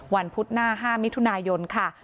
พุธหน้า๕มิถุนายนค่ะ